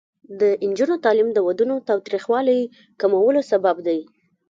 د نجونو تعلیم د ودونو تاوتریخوالي کمولو سبب دی.